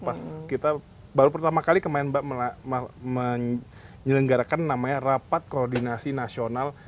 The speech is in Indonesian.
pas kita baru pertama kali kemarin mbak menyelenggarakan namanya rapat koordinasi nasional